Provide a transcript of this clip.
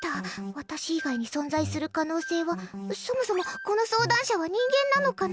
私以外に存在する可能性はそもそもこの相談者は人間なのかな。